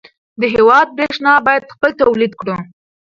د هېواد برېښنا باید خپله تولید کړو.